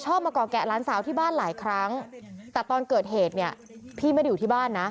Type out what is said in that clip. มาเกาะแกะหลานสาวที่บ้านหลายครั้งแต่ตอนเกิดเหตุเนี่ยพี่ไม่ได้อยู่ที่บ้านนะ